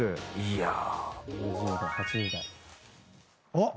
あっ！